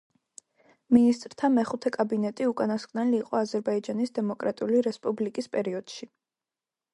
მინისტრთა მეხუთე კაბინეტი უკანასკნელი იყო აზერბაიჯანის დემოკრატიული რესპუბლიკის პერიოდში.